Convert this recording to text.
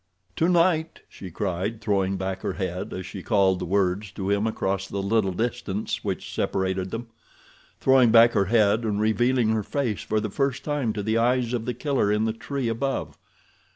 "Tonight!" she cried, throwing back her head as she called the words to him across the little distance which separated them—throwing back her head and revealing her face for the first time to the eyes of The Killer in the tree above.